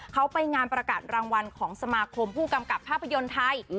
เขาไปงานประกาศรางวัลของสมาคมผู้กำกับภาพยนตร์ไทย